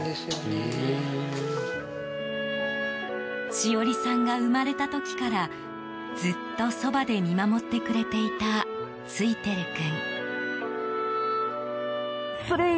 しおりさんが生まれた時からずっとそばで見守ってくれていたツイテル君。